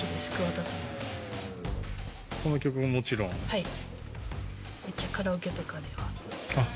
はい。